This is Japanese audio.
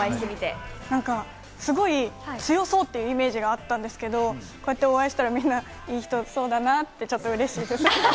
強そうっていうイメージがあったんですけど、こうやってお会いしたら皆さん、いい人そうだなぁと思ってすごく嬉しいです。